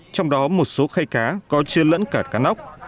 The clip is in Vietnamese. trong đó một số khay cá có chưa lẫn cả cá nóc